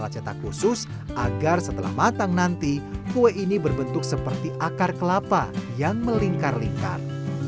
kita cetak khusus agar setelah matang nanti kue ini berbentuk seperti akar kelapa yang melingkar lingkar